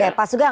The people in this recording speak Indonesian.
oke pak sugang